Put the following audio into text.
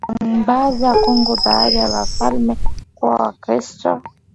wa Mbanza Kongo Baada ya wafalme kuwa Wakristo